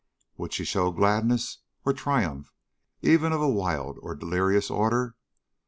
Would she show gladness or triumph even of a wild or delirious order?